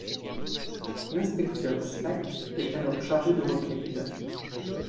L'inspecteur Slack est alors chargé de l'enquête...